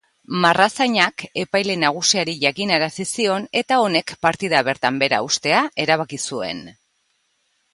Marrazainak epaile nagusiari jakinarazi zion eta honek partida bertan behera uztea erabaki zuen.